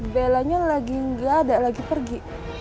belanya lagi nggak ada lagi pergi